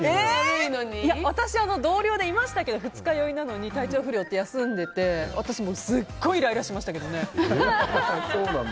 私は同僚でいましたけど二日酔いなのに体調不良って休んでて私すごいイライラしましたけどね。